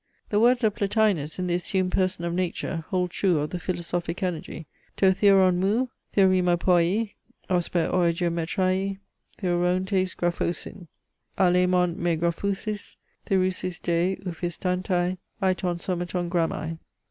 The words of Plotinus, in the assumed person of Nature, hold true of the philosophic energy. To theoroun mou, theoraema poiei, osper oi geometrai theorountes graphousin; all' emon mae graphousaes, theorousaes de, uphistantai ai ton somaton grammai.